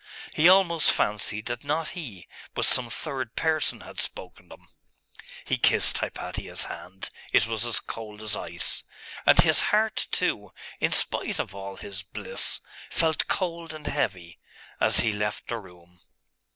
He almost fancied that not he, but some third person had spoken them. He kissed Hypatia's hand, it was as cold as ice; and his heart, too, in spite of all his bliss, felt cold and heavy, as he left the room.